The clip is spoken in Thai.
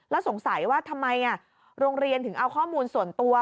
แล้วสงสัยว่าทำไมโรงเรียนถึงเอาข้อมูลส่วนตัว